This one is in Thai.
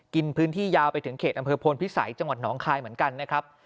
กินพื้นที่ยาวไปถึงเขตอำเภอพลพิสัยจังหวัดหนองคายเหมือนกันนะครับ